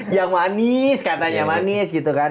yang manis katanya manis gitu kan